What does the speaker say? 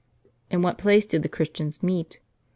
" In what place do the Christians meet?